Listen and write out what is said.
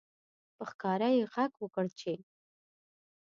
په ښکاره یې غږ وکړ چې